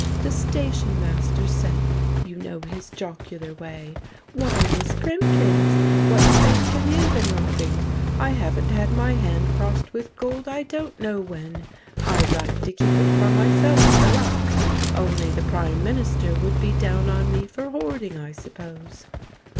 —the station master said—you know his jocular way—'Why, Miss Primkins, what bank have you been robbing? I haven't had my hand crossed with gold, I don't know when! I'd like to keep it myself, for luck, only the Prime Minister would be down on me for hoarding, I suppose.